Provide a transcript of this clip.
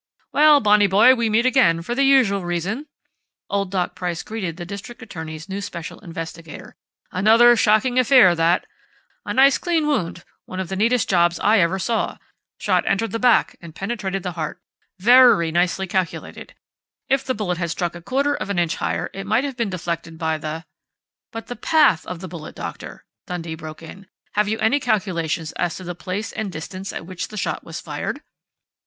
"Well, Bonnie boy, we meet again, for the usual reason," old Dr. Price greeted the district attorney's new special investigator. "Another shocking affair that.... A nice clean wound, one of the neatest jobs I ever saw. Shot entered the back, and penetrated the heart.... Very nicely calculated. If the bullet had struck a quarter of an inch higher, it would have been deflected by the " "But the path of the bullet, doctor!" Dundee broke in. "Have you made any calculations as to the place and distance at which the shot was fired?"